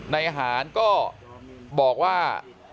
นายหานก็บอกว่า